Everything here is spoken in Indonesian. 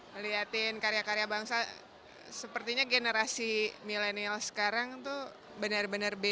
melihatin karya karya bangsa sepertinya generasi milenial sekarang itu benar benar biasa